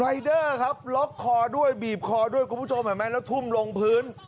เดอร์ครับล็อกคอด้วยบีบคอด้วยคุณผู้ชมเห็นไหมแล้วทุ่มลงพื้น